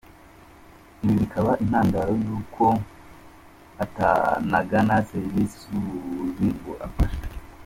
Ibi bikaba intandaro y’uko atanagana serivisi z’ubuvuzi ngo afashwe.